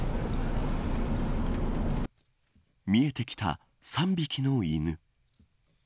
見えてきた３匹の犬。